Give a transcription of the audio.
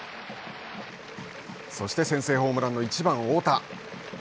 そして、先制ホームランの１番太田。